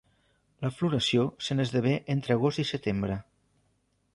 La floració se n'esdevé entre agost i setembre.